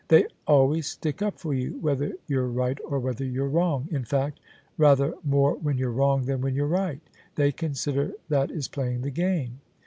They always stick up for you, whether you're right or whether you're wrong — in fact, rather more when you're wrong than when you're right Thgr consider that is playing the game."